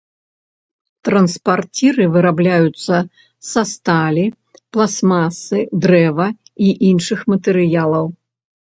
Транспарціры вырабляюцца са сталі, пластмасы, дрэва і іншых матэрыялаў.